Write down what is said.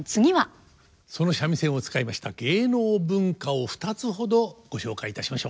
その三味線を使いました芸能文化を２つほどご紹介いたしましょう。